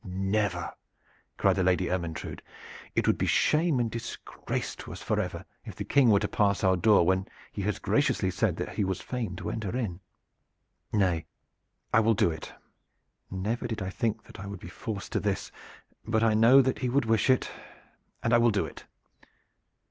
"Never!" cried the Lady Ermyntrude. "It would be shame and disgrace to us forever if the King were to pass our door when he has graciously said that he was fain to enter in. Nay, I will do it. Never did I think that I would be forced to this, but I know that he would wish it, and I will do it."